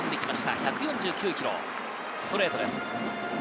１４９キロのストレートです。